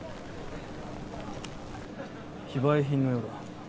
非売品のようだ。